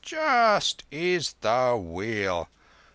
Just is the Wheel!